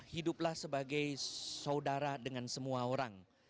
hiduplah sebagai saudara dengan semua orang